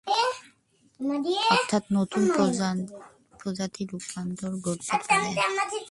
অর্থাৎ নতুন প্রজাতির রূপান্তর ঘটতে পারে।